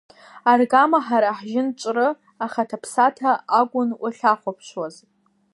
Аргама ҳара ҳжьынҵәры ахаҭа-ԥсаҭа акәын уахьахәаԥшуаз.